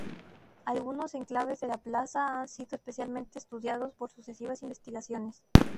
Algunos enclaves de la plaza han sido especialmente estudiados por sucesivas investigaciones.